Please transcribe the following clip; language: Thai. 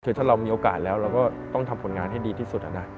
คือถ้าเรามีโอกาสแล้วเราก็ต้องทำผลงานให้ดีที่สุดนะ